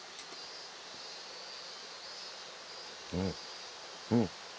うんうん。